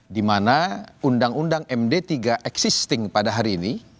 di mana undang undang md tiga existing pada hari ini